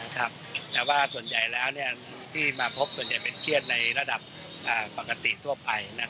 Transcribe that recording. แต่ว่าส่วนใหญ่แล้วที่มาพบส่วนใหญ่เป็นเครียดในระดับปกติทั่วไป